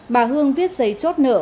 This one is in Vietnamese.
bà hương viết giấy chốt nợ